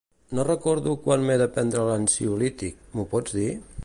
No recordo quan m'he de prendre l'ansiolític, m'ho pots dir?